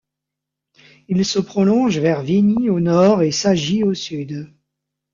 Il se prolonge vers Vigny au nord et Sagy au sud.